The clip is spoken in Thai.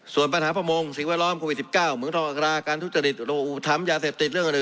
ส่วนปัญหาประมงสิ่งวัยร้อยว่าโควิด๑๙เมื่องทร